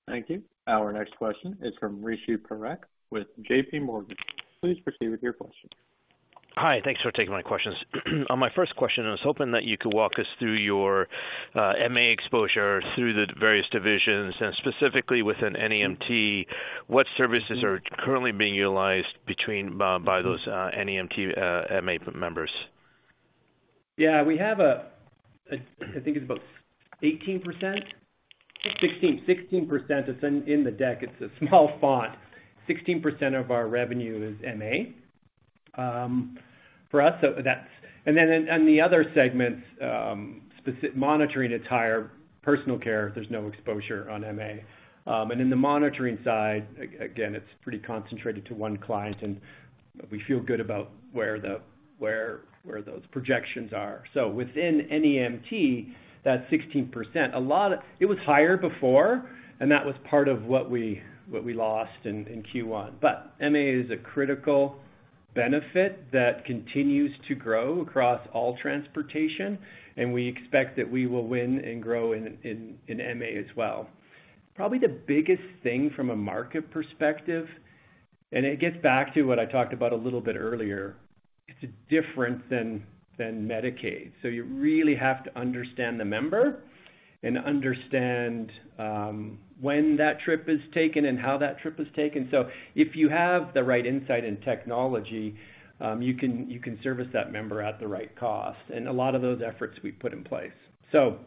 Thank you. Our next question is from Rishi Parekh with J.P. Morgan. Please proceed with your question. Hi, thanks for taking my questions. On my first question, I was hoping that you could walk us through your MA exposure through the various divisions and specifically within NEMT, what services are currently being utilized by those NEMT MA members? Yeah, we have. I think it's about 18%. 16%, it's in the deck. It's a small font. 16% of our revenue is MA. For us, so that's. And then on the other segments, monitoring, it's higher. Personal care, there's no exposure on MA. And in the monitoring side, again, it's pretty concentrated to one client, and. We feel good about where those projections are. So within NEMT, that 16%, a lot of it was higher before, and that was part of what we lost in Q1. But MA is a critical benefit that continues to grow across all transportation, and we expect that we will win and grow in MA as well. Probably the biggest thing from a market perspective, and it gets back to what I talked about a little bit earlier, it's different than Medicaid. So you really have to understand the member and understand when that trip is taken and how that trip is taken. So if you have the right insight and technology, you can service that member at the right cost, and a lot of those efforts we put in place. So,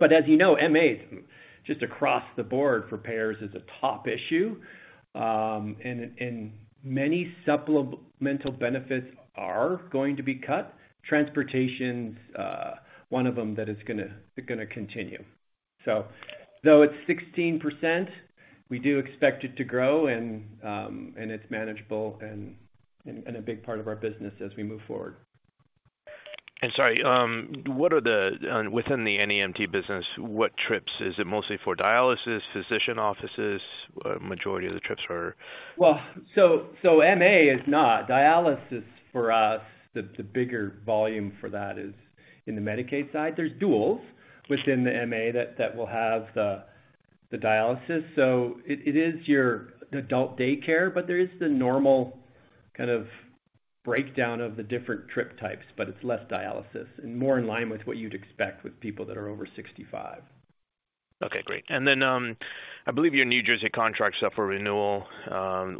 but as you know, MA, just across the board for payers, is a top issue, and many supplemental benefits are going to be cut. Transportation's one of them that is gonna continue. So though it's 16%, we do expect it to grow and it's manageable and a big part of our business as we move forward. And sorry, what are the-- Within the NEMT business, what trips? Is it mostly for dialysis, physician offices, majority of the trips are? Well, so MA is not dialysis for us, the bigger volume for that is in the Medicaid side. There's duals within the MA that will have the dialysis. So it is your adult daycare, but there is the normal kind of breakdown of the different trip types, but it's less dialysis and more in line with what you'd expect with people that are over 65. Okay, great. And then, I believe your New Jersey contract's up for renewal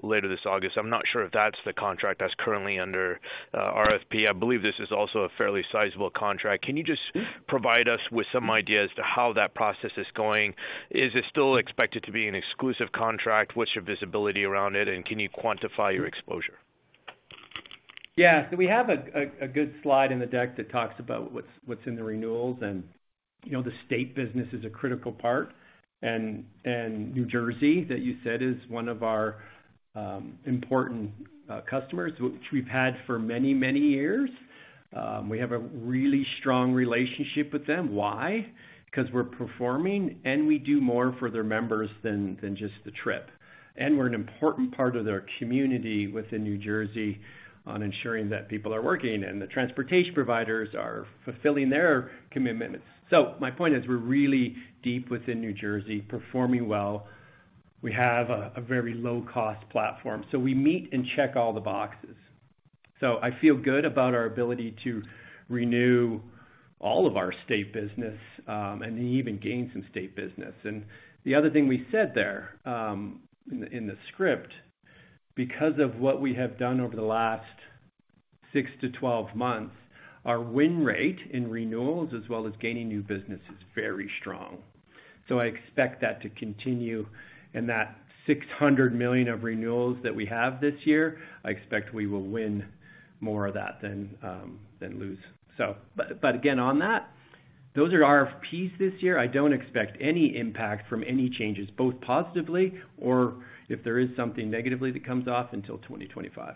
later this August. I'm not sure if that's the contract that's currently under RFP. I believe this is also a fairly sizable contract. Can you just provide us with some idea as to how that process is going? Is it still expected to be an exclusive contract? What's your visibility around it, and can you quantify your exposure? Yeah, so we have a good slide in the deck that talks about what's in the renewals. And, you know, the state business is a critical part. And New Jersey, that you said, is one of our important customers, which we've had for many, many years. We have a really strong relationship with them. Why? Because we're performing, and we do more for their members than just the trip. And we're an important part of their community within New Jersey on ensuring that people are working and the transportation providers are fulfilling their commitments. So my point is, we're really deep within New Jersey, performing well. We have a very low-cost platform, so we meet and check all the boxes. So I feel good about our ability to renew all of our state business, and even gain some state business. The other thing we said there, in the script, because of what we have done over the last 6-12 months, our win rate in renewals, as well as gaining new business, is very strong. So I expect that to continue. And that $600 million of renewals that we have this year, I expect we will win more of that than lose. So, but, but again, on that, those are RFPs this year. I don't expect any impact from any changes, both positively or if there is something negatively that comes off until 2025.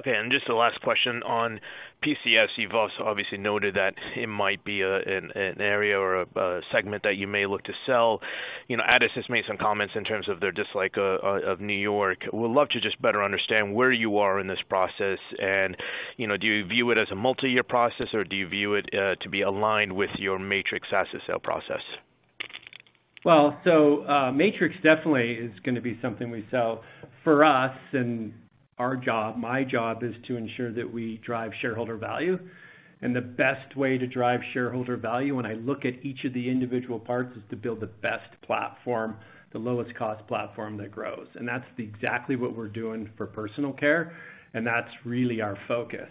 Okay, and just the last question on PCS. You've also obviously noted that it might be an area or a segment that you may look to sell. You know, Addus has made some comments in terms of their dislike of New York. Would love to just better understand where you are in this process, and, you know, do you view it as a multi-year process, or do you view it to be aligned with your Matrix asset sale process? Well, so, Matrix definitely is gonna be something we sell. For us, and our job, my job, is to ensure that we drive shareholder value. And the best way to drive shareholder value, when I look at each of the individual parts, is to build the best platform, the lowest cost platform that grows. And that's exactly what we're doing for personal care, and that's really our focus.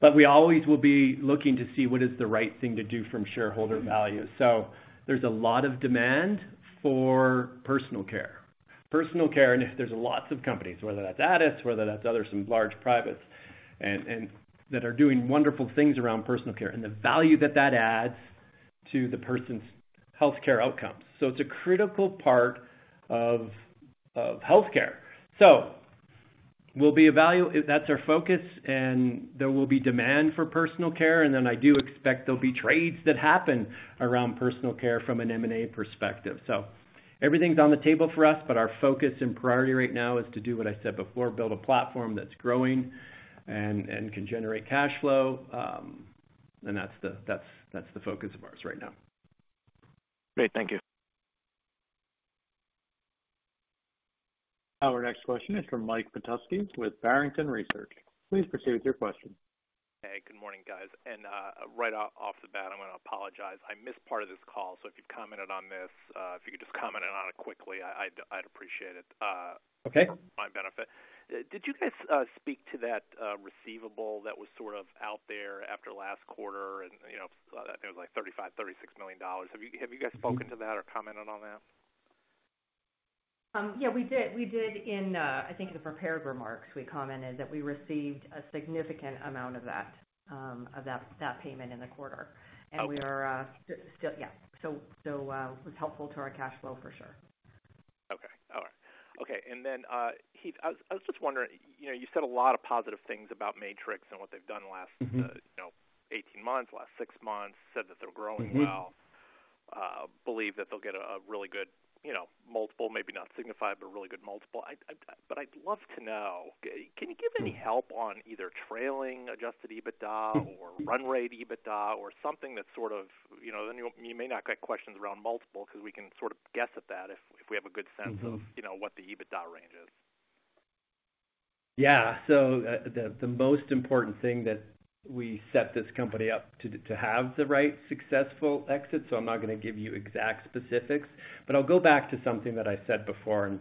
But we always will be looking to see what is the right thing to do from shareholder value. So there's a lot of demand for personal care. Personal care, and there's lots of companies, whether that's Addus, whether that's other, some large privates, and that are doing wonderful things around personal care and the value that that adds to the person's healthcare outcomes. So it's a critical part of healthcare. So that's our focus, and there will be demand for personal care, and then I do expect there'll be trades that happen around personal care from an M&A perspective. So everything's on the table for us, but our focus and priority right now is to do what I said before: build a platform that's growing and can generate cash flow. And that's the focus of ours right now. Great. Thank you. Our next question is from Mike Petusky with Barrington Research. Please proceed with your question. Hey, good morning, guys. Right off the bat, I'm gonna apologize. I missed part of this call, so if you commented on this, if you could just comment on it quickly, I'd appreciate it. Okay. For my benefit. Did you guys speak to that receivable that was sort of out there after last quarter and, you know, I think it was, like, $35-$36 million? Have you, have you guys spoken to that or commented on that? Yeah, we did. We did in, I think in the prepared remarks, we commented that we received a significant amount of that, of that, that payment in the quarter. Okay. We are still. Yeah, so it was helpful to our cash flow for sure. Okay. All right. Okay, and then, Heath, I was just wondering, you know, you said a lot of positive things about Matrix and what they've done in the last, you know, 18 months, last 6 months, said that they're growing well. Believe that they'll get a really good, you know, multiple, maybe not Signify, but a really good multiple. I but I'd love to know, can you give any help on either trailing adjusted EBITDA or run rate EBITDA or something that's sort of, you know, then you, you may not get questions around multiple, 'cause we can sort of guess at that if, if we have a good sense of, you know, what the EBITDA range is. Yeah. So, the most important thing that we set this company up to have the right successful exit, so I'm not gonna give you exact specifics. But I'll go back to something that I said before, and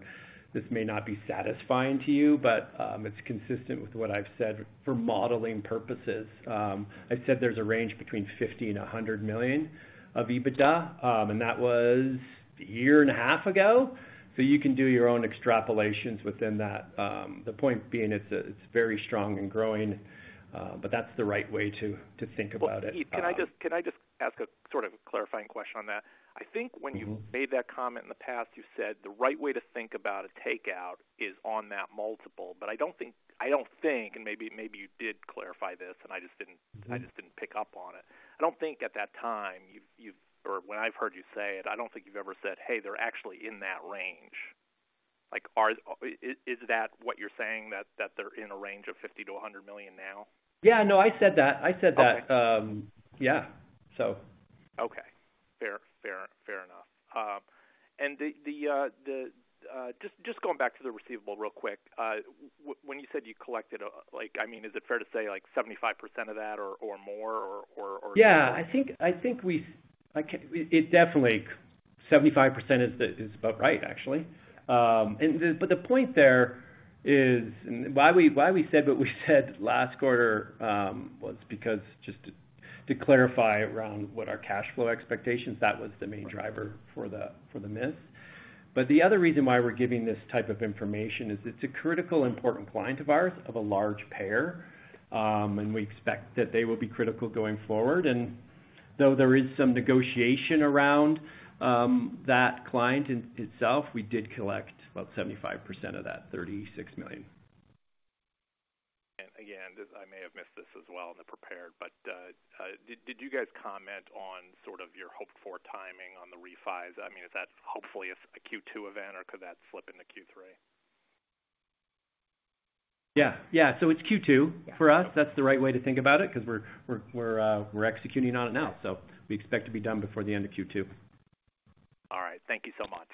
this may not be satisfying to you, but it's consistent with what I've said for modeling purposes. I said there's a range between $50 million and $100 million of EBITDA, and that was a year and a half ago. So you can do your own extrapolations within that. The point being, it's very strong and growing, but that's the right way to think about it. Well, Heath, can I just, can I just ask a sort of clarifying question on that? I think when you made that comment in the past, you said, "The right way to think about a takeout is on that multiple." But I don't think, and maybe you did clarify this, and I just didn't, I just didn't pick up on it. I don't think at that time, you've or when I've heard you say it, I don't think you've ever said, "Hey, they're actually in that range." Like, is that what you're saying, that they're in a range of $50 million to $100 million now? Yeah. No, I said that. I said that. Okay. Yeah. So. Okay. Fair, fair, fair enough. And just going back to the receivable real quick. When you said you collected, like, I mean, is it fair to say, like, 75% of that or? Yeah, I think we, it definitely, 75% is about right, actually. And the point there is, and why we said what we said last quarter, was because just to clarify around what our cash flow expectations, that was the main driver for the miss. But the other reason why we're giving this type of information is it's a critical, important client of ours, of a large payer, and we expect that they will be critical going forward. And though there is some negotiation around that client in itself, we did collect about 75% of that $36 million. And again, this, I may have missed this as well in the prepared, but, did you guys comment on sort of your hoped-for timing on the refi? I mean, is that hopefully a Q2 event, or could that slip into Q3? Yeah. Yeah, so it's Q2. For us, that's the right way to think about it because we're executing on it now, so we expect to be done before the end of Q2. All right. Thank you so much.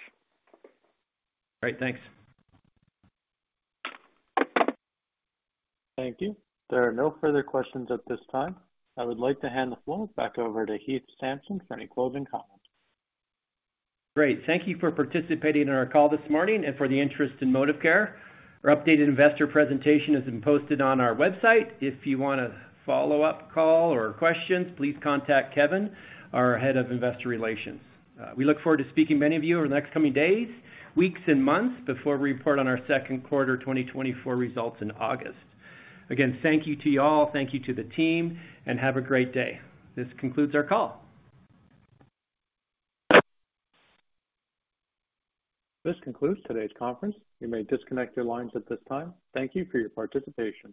Great, thanks. Thank you. There are no further questions at this time. I would like to hand the floor back over to Heath Sampson for any closing comments. Great. Thank you for participating in our call this morning, and for the interest in Modivcare. Our updated investor presentation has been posted on our website. If you want a follow-up call or questions, please contact Kevin, our Head of Investor Relations. We look forward to speaking with many of you over the next coming days, weeks, and months before we report on our second quarter 2024 results in August. Again, thank you to you all, thank you to the team, and have a great day. This concludes our call. This concludes today's conference. You may disconnect your lines at this time. Thank you for your participation.